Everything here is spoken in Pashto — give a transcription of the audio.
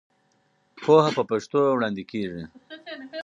پوهه په پښتو وړاندې کېږي.